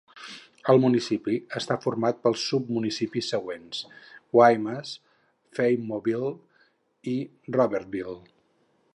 El municipi està format pels submunicipis següents: Waimes, Faymonville i Robertville.